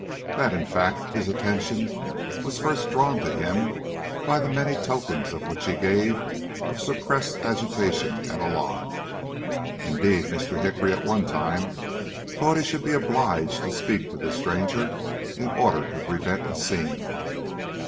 That in fact his attention was first drawn to him by the many tokens which he gave of suppressed agitation and alarm. Indeed, Mr. Hickory at one time thought he should be obliged to speak to this stranger in order to prevent a scene.